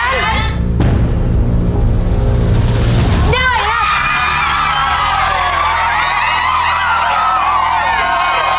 ครอบครับ